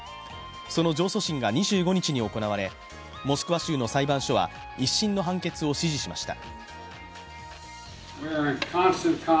その上訴審が２５日に行われ、モスクワ州の裁判所は１審の判決を支持しました。